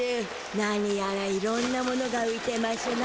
なにやらいろんなものがういてましゅな